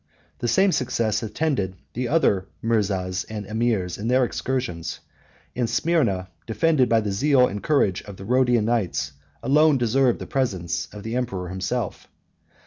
The same success attended the other mirzas and emirs in their excursions; and Smyrna, defended by the zeal and courage of the Rhodian knights, alone deserved the presence of the emperor himself.